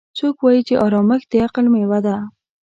څوک وایي چې ارامښت د عقل میوه ده